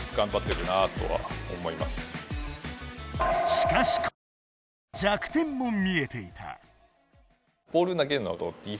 しかしコーチには弱点も見えていた。